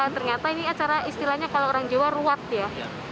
ternyata ini acara istilahnya kalau orang jawa ruat ya